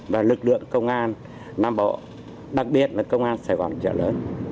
và lực lượng công an nam bộ đặc biệt là công an sài gòn trở lớn